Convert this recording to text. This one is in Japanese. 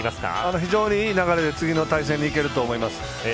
非常にいい流れで次の対戦にいけると思います。